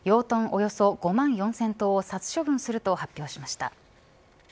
およそ５万４０００頭を殺処分すると発表しました。